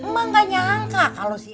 emang gak nyangka kalau si